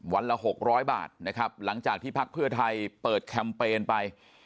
ละหกร้อยบาทนะครับหลังจากที่พักเพื่อไทยเปิดแคมเปญไป